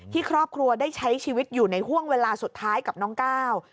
ครอบครัวได้ใช้ชีวิตอยู่ในห่วงเวลาสุดท้ายกับน้องก้าว